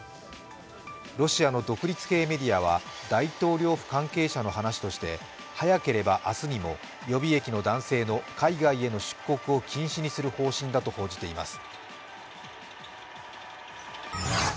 ロシアの独立系メディアは大統領府関係者の話として、早ければ明日にも予備役の男性の海外への出国を禁止にする方針だと報じています。